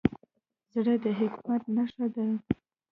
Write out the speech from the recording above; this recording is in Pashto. زړه د حکمت نښه ده.